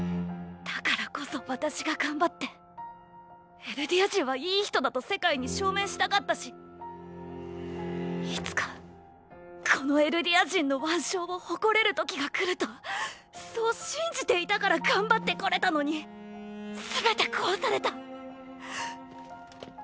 だからこそ私が頑張ってエルディア人は良い人だと世界に証明したかったしいつかこのエルディア人の腕章を誇れる時が来るとそう信じていたから頑張ってこれたのにすべて壊された。